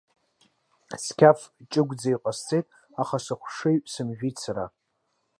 Сқьаф ҷыгәӡа иҟасҵеит, аха сыхшыҩ сымжәит сара.